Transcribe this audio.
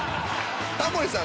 「タモリさん」